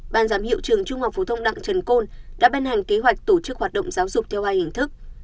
ban giám hiệu trường trung học phổ thông đặng trần côn đã ban hành kế hoạch tổ chức hoạt động giáo dục theo hai hình thức